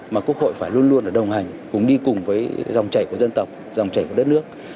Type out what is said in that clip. mà quốc hội phải luôn luôn đồng hành cùng đi cùng với dòng chảy của dân tộc dòng chảy của đất nước